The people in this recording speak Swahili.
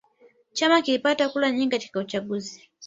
Chama kilipata kura nyingi katika uchaguzi